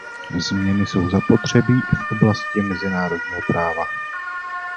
Změny jsou zapotřebí i v oblasti mezinárodního práva.